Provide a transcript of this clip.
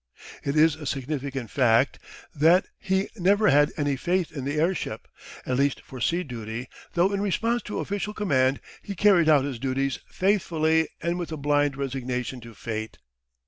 It is a significant fact that he never had any faith in the airship, at least for sea duty, though in response to official command he carried out his duties faithfully and with a blind resignation to Fate.